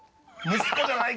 息子じゃないか。